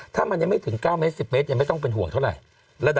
ถ้ามันยังไม่ถึง๙เมตร๑๐เมตรยังไม่ต้องเป็นห่วงเท่าไหร่